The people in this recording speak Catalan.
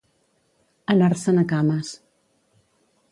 Anar-se'n a cames.